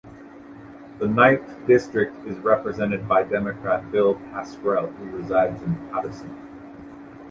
The Ninth District is represented by Democrat Bill Pascrell, who resides in Paterson.